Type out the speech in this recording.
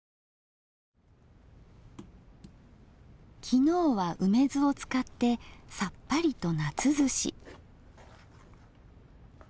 昨日は梅酢を使ってさっぱりと夏ずし。